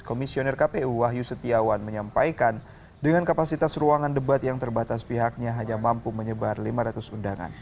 komisioner kpu wahyu setiawan menyampaikan dengan kapasitas ruangan debat yang terbatas pihaknya hanya mampu menyebar lima ratus undangan